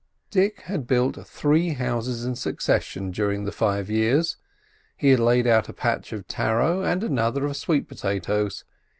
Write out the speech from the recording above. Dick had built three houses in succession during the five years. He had laid out a patch of taro and another of sweet potatoes.